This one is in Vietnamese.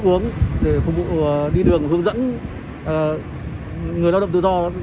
công tác sẽ hỗ trợ đồ ăn và nước uống để phục vụ đi đường hướng dẫn người lao động tự do